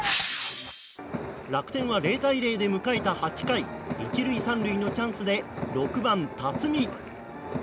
楽天は０対０で迎えた８回１塁３塁のチャンスで６番、辰己。